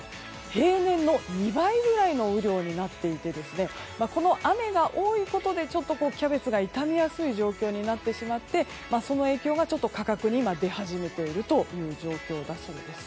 平年の２倍ぐらいの雨量になっていてこの雨が多いことでちょっとキャベツが傷みやすい状況になってしまってその影響が価格に今、出始めているという状況なんです。